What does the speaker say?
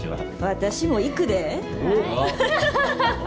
私も行くで。